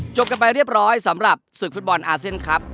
กันไปเรียบร้อยสำหรับศึกฟุตบอลอาเซียนครับ